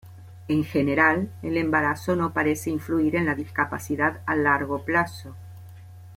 En general, el embarazo no parece influir en la discapacidad a largo plazo.